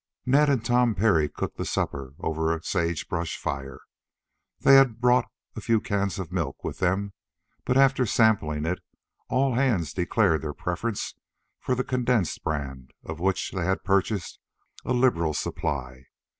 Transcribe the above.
Ned and Tom Parry cooked the supper over a sage brush fire. They had brought a few cans of milk with them, but after sampling it all hands declared their preference for the condensed brand of which they had purchased a liberal supply.